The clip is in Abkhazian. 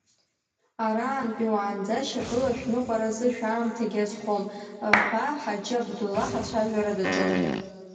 Араантәи уаанӡа шьапыла шәныҟәаразы шәаамҭагьы азхом, ҳәа Ҳаџьы Абдуллаҳ ацәажәара даҿын…